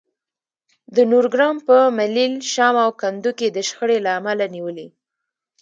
د نورګرام په ملیل، شام او کندو کې د شخړې له امله نیولي